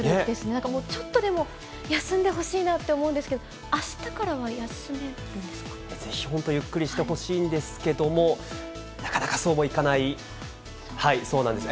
なんかもう、ちょっとでも休んでほしいなと思うんですけれども、ぜひ本当、ゆっくりしてほしいんですけれども、なかなかそうもいかない、そうなんです。